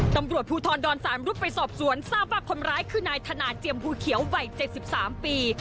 ตำรวจภูทรดอน๓รุดไปสอบสวนทราบว่าคนร้ายคือนายธนาเจียมภูเขียววัย๗๓ปี